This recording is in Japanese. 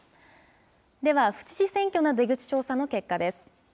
では、府知事選挙の出口調査の結果です。